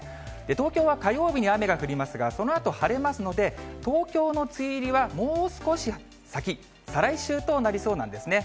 東京は火曜日に雨が降りますが、そのあと晴れますので、東京の梅雨入りはもう少し先、再来週となりそうなんですね。